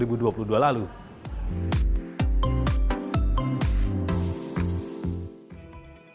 di sebuah perusahaan yang berbeda